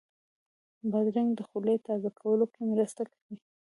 بادرنګ د خولې تازه کولو کې مرسته کوي.